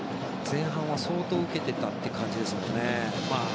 前半は相当、受けてたって感じですものね。